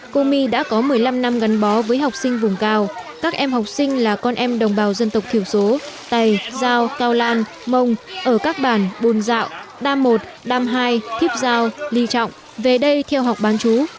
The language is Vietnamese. cô my đã có một mươi năm năm gắn bó với học sinh vùng cao các em học sinh là con em đồng bào dân tộc thiểu số tày dao cao lan mông ở các bản bồn dạo đam một đam hai thiếp dao ly trọng về đây theo học bán chú